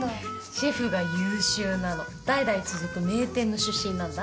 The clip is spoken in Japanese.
シェフが優秀なの代々続く名店の出身なんだ。